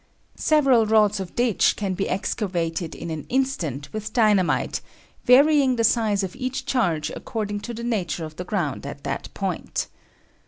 Several rods of ditch can be excavated in an instant with dynamite, varying the size of each charge according to the nature of the ground at that point.